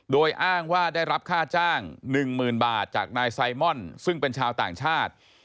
โดยอ้างว่าได้รับค่าจ้าง๑๐๐๐บาทจากนายไซมอนซึ่งเป็นชาวต่างชาติ